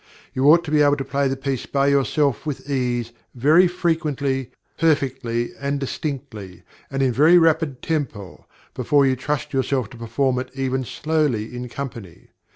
You ought to be able to play the piece by yourself with ease, very frequently, perfectly, and distinctly, and in very rapid tempo, before you trust yourself to perform it even slowly in company.